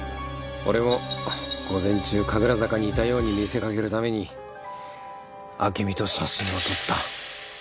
俺も午前中神楽坂にいたように見せかけるために暁美と写真を撮った。